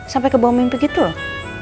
sampai kebawa mimpi gitu loh